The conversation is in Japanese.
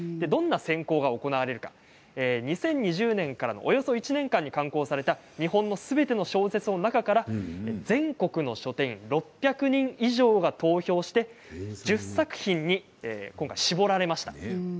どんな選考が行われるのか２０２０年からのおよそ１か月間に刊行された日本のすべての小説の中から全国の書店員６００人以上が投票する１０作品に今回絞られました。